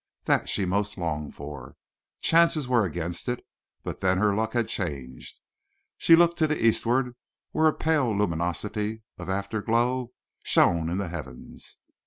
That she most longed for. Chances were against it, but then her luck had changed. She looked to the eastward where a pale luminosity of afterglow shone in the heavens.